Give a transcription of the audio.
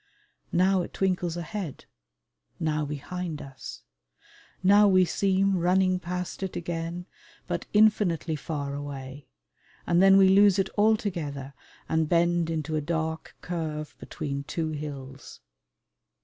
Now it twinkles ahead, now behind us. Now we seem running past it again, but infinitely far away; and then we lose it altogether and bend into a dark curve between two hills.